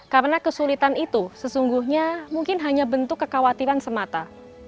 karena kesulitan itu sesungguhnya mungkin hanya bentuk kekhawatiran semata